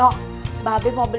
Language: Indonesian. aku mau ke sekolah